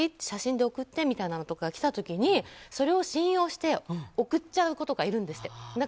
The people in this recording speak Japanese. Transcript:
写真で送ってみたいなのとかが来た時にそれを信用して送っちゃう子とかいるんですって。